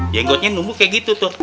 yegotnya numbuh kayak gitu tuh